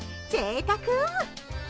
ぜいたく！